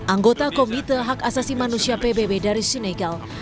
anggota komite hak asasi manusia pbb dari sinegal